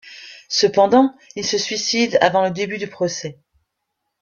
Cependant, il se suicide avant le début du procès.